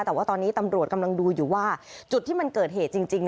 แต่ว่าตอนนี้ตำรวจกำลังดูอยู่ว่าจุดที่มันเกิดเหตุจริง